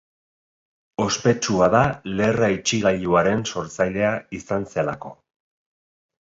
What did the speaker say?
Ospetsua da lerra-itxigailuaren sortzailea izan zelako.